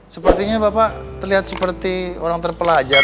sepertinya bapak terlihat seperti orang terpelajar